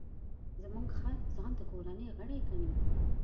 زموږ خر ځان د کورنۍ غړی ګڼي.